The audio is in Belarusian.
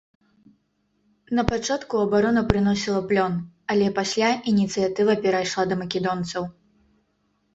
На пачатку абарона прыносіла плён, але пасля ініцыятыва перайшла да македонцаў.